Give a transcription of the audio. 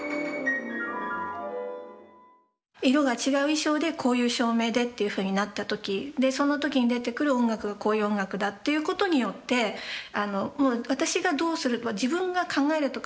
色が違う衣装でこういう照明でというふうになった時その時に出てくる音楽がこういう音楽だということによって私がどうする自分が考えるとかっていうのを超えて